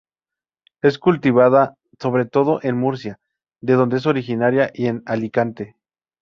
Es cultivada sobre todo en Murcia, de donde es originaria, y en Alicante.